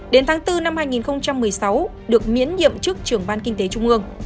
đến tháng bốn năm hai nghìn một mươi sáu được miễn nhiệm chức trưởng ban kinh tế trung ương